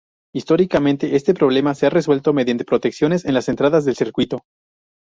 Históricamente, este problema se ha resuelto mediante protecciones en las entradas del circuito.